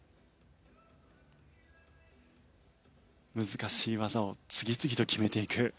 難しい技を次々と決めていく。